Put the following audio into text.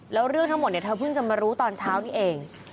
แล้วเรื่องทั้งหมดเธอเพิ่งจะมารู้ตอนเช้านี้เอง